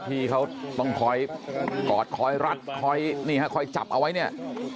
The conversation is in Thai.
ที่เขาต้องคอยกอดคอยรัดคอยจับเอาไว้เนี่ย